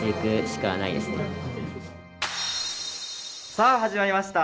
さあ始まりました